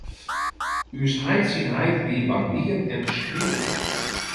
Us heit syn heit wie barbier en skriuwer.